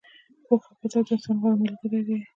پوهه او کتاب د انسان غوره ملګري دي.